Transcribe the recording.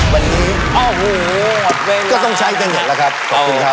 วันนี้ก็ต้องใช้กันเยอะแล้วครับขอบคุณครับ